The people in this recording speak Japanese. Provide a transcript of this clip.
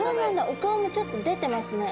お顔もちょっと出てますね。